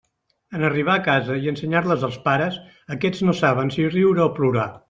En arribar a casa i ensenyar-les als pares, aquests no saben si riure o plorar.